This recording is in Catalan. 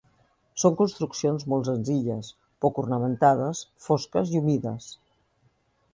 Són construccions molt senzilles, poc ornamentades, fosques i humides.